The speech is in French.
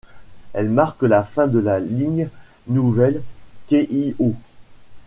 Elle marque la fin de la ligne nouvelle Keiō.